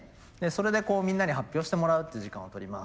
それでみんなに発表してもらうっていう時間をとります。